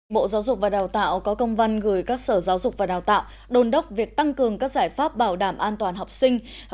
bộ giáo dục và đào tạo có công văn gửi các sở giáo dục và đào tạo đồn đốc việc tăng cường các giải pháp bảo đảm an toàn học sinh